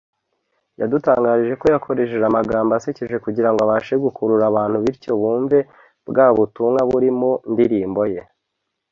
yadutangarije ko yakoresheje amagambo asekeje kugira ngo abashe gukurura abantu bityo bumve bwa butumwa buri mu ndirimbo ye